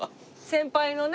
先輩のね。